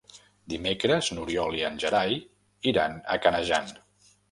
Dimecres n'Oriol i en Gerai iran a Canejan.